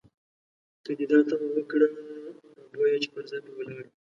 که دې دا تمه وکړه، نو بویه چې پر ځای به ولاړ یې.